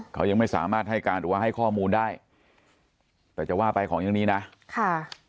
เขายังไม่สามารถให้การหรือว่าให้ข้อมูลได้แต่จะว่าไปของเรื่องนี้นะค่ะ